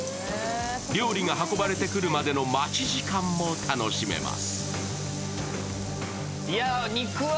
料理が運ばれてくるまでの待ち時間も楽しめます。